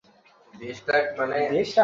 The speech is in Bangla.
কান্না বন্ধ করলে ভালো হয়।